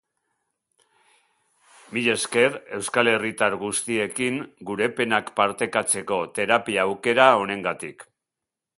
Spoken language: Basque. Milesker Euskal Herritar guztiekin gure penak partekatzeko terapia aukera honengatik.